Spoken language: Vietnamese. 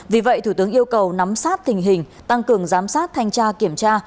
vì vậy thủ tướng yêu cầu nắm sát tình hình tăng cường giám sát thanh tra kiểm tra